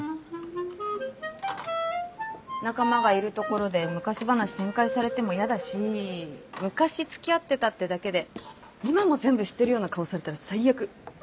仲間がいる所で昔話展開されても嫌だし昔付き合ってたってだけで今も全部知ってるような顔されたら最悪！